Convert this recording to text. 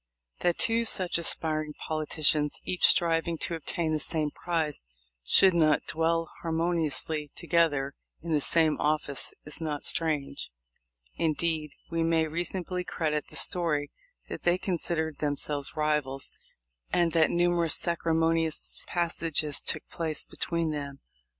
That two such aspiring politicians, each striving to obtain the same prize, should not dwell harmoniously together in the same office is not strange. Indeed, we may reasonably credit the story that they com sidered themselves rivals, and that numerous sacri* monious passages took place between them.